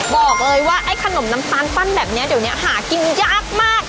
บอกเลยว่าไอ้ขนมน้ำตาลปั้นแบบนี้เดี๋ยวนี้หากินยากมาก